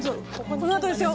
このあとですよ。